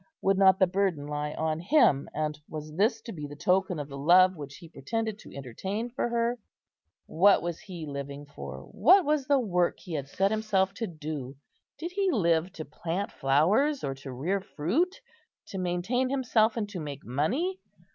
would not the burden lie on him, and was this to be the token of the love which he pretended to entertain for her? What was he living for? what was the work he had set himself to do? Did he live to plant flowers, or to rear fruit, to maintain himself and to make money?